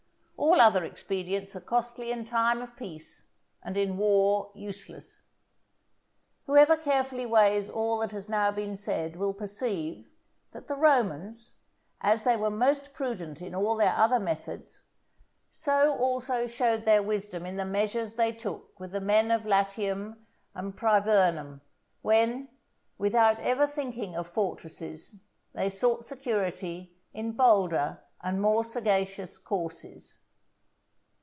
All other expedients are costly in time of peace, and in war useless. Whoever carefully weighs all that has now been said will perceive, that the Romans, as they were most prudent in all their other methods, so also showed their wisdom in the measures they took with the men of Latium and Privernum, when, without ever thinking of fortresses, they sought security in bolder and more sagacious courses.